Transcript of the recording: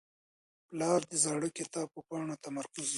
پلار د زاړه کتاب په پاڼو تمرکز وکړ.